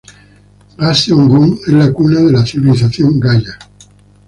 Gangseo-gu es la cuna de la civilización Gaya.